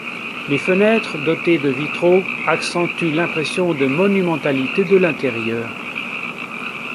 Les fenêtres, dotées de vitraux, accentuent l'impression de monumentalité de l'intérieur.